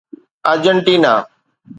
Argentina